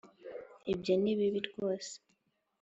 ibyo ni bibi rwose